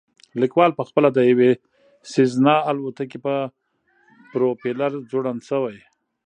لیکوال پخپله د یوې سیزنا الوتکې په پروپیلر ځوړند شوی